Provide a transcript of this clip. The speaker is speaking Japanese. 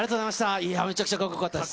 いや、めちゃくちゃかっこよかったです。